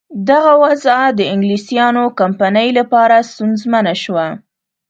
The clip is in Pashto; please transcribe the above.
دغه وضع د انګلیسیانو کمپنۍ لپاره سونسزمه شوه.